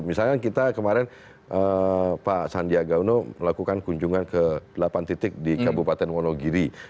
misalnya kita kemarin pak sandiaga uno melakukan kunjungan ke delapan titik di kabupaten wonogiri